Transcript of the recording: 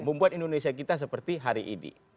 membuat indonesia kita seperti hari ini